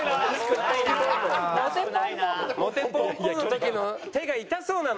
「モテポンポン」の時の手が痛そうなのよ。